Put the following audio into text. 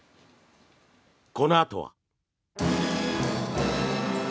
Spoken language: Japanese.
このあとは。